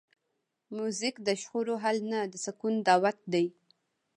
موزیک د شخړو حل نه، د سکون دعوت دی.